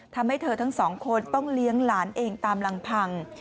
ทำให้เธอทั้งสองคนต้องเลี้ยงหลานเองตามลำพัง